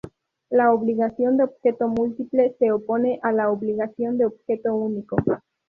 La obligación de objeto múltiple se opone a la obligación de objeto único.